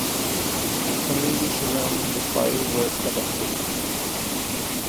Communities surrounding the fire were evacuated.